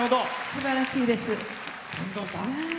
すばらしいです。